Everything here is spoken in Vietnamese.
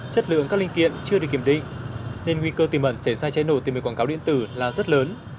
chất lượng các linh kiện chưa được kiểm định nên nguy cơ tìm ẩn sẽ sai cháy nổ từ biển quảng cáo điện tử là rất lớn